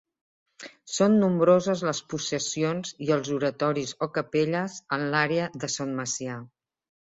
Són nombroses les possessions i els oratoris o capelles en l'àrea de Son Macià.